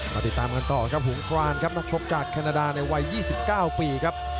ติดตามกันต่อครับหงกรานครับนักชกจากแคนาดาในวัย๒๙ปีครับ